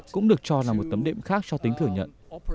cũng được cho là một tấm điệm khác cho tính thử nhận